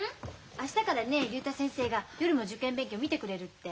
明日からね竜太先生が夜も受験勉強見てくれるって。